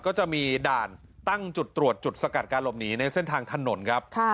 ก็จะมีด่านตั้งจุดตรวจจุดสกัดการหลบหนีในเส้นทางถนนครับ